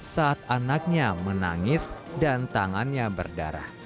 saat anaknya menangis dan tangannya berdarah